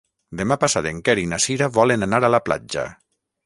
Demà passat en Quer i na Cira volen anar a la platja.